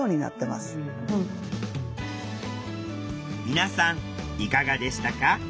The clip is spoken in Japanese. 皆さんいかがでしたか？